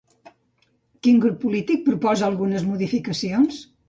Quin grup polític proposa algunes modificacions?